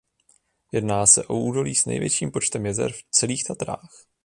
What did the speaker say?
Jedná se o údolí s největším počtem jezer v celých Tatrách.